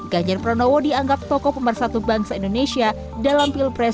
ganjar pranowo dianggap tokoh pemersatu bangsa indonesia dalam pilpres dua ribu dua puluh empat